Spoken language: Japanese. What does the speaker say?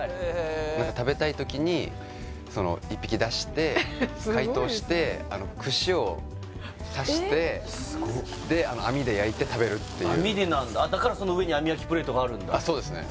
食べたいときに１匹出して解凍して串を刺してで網で焼いて食べるっていう網でなんだだからその上に網焼きプレートがそうですね